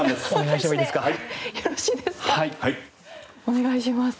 お願いします。